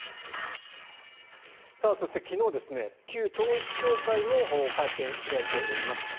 そして昨日、旧統一教会も会見を開いております。